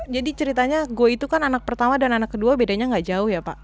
jadi ceritanya gue itu kan anak pertama dan anak kedua bedanya gak jauh ya pak